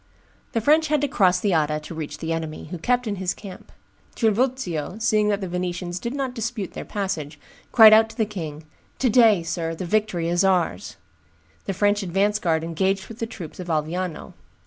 The French had to cross the Adda to reach the enemy, who kept in his camp. Trivulzio, seeing that the Venetians did not dispute their passage, cried out to the king, "To day, sir, the victory is ours!" The French advance guard engaged with the troops of Alviano.